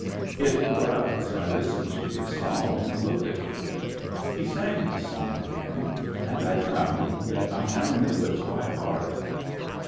It wore out as I listened to his song, and looked at him. He sang his song again, and I found that I now knew it by heart.